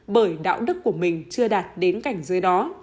bởi đạo đức của mình chưa đạt đến cảnh dưới đó